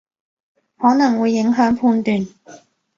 可能會影響判斷